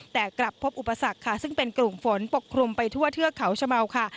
แต่กลับพบอุปสรรคค่ะซึ่งเป็นกลุ่มฝนปกคลุมไปทั่วเทือกเขาชะเมาค่ะ